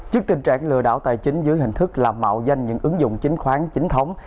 trước tình trạng lừa đảo tài chính dưới hình thức là mạo danh những ứng dụng chính khoán chính thống